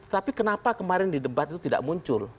tapi kenapa kemarin di debat itu tidak muncul